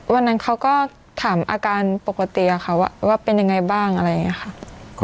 วันนั้นเขาก็ถามอาการปกติเขาว่าเป็นยังไงบ้างอะไรอย่างนี้ค่ะ